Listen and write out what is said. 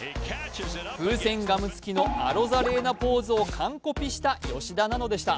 風船ガム付きのアロザレーナポーズを完コピした吉田なのでした。